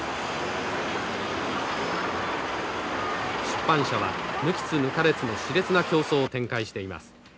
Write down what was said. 出版社は抜きつ抜かれつのしれつな競争を展開しています。